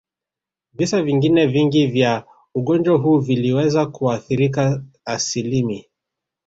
Visa vingine vingi vya ugonjwa huu viliweza kuathirika asilimi